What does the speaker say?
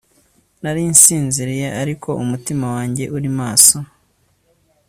nari nsinziriye ariko umutima wanjye uri maso